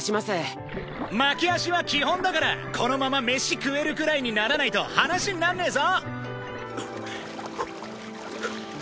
巻き足は基本だからこのまま飯食えるくらいにならないと話になんねえぞ。